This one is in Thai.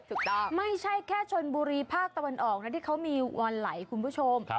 ไม่ใช่แค่ชนบุรีภาคตะวันออกนะที่เขามีวันไหลคุณผู้ชม